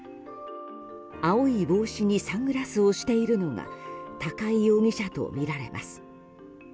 青い帽子にサングラスをしているのが高井容疑者とみられます。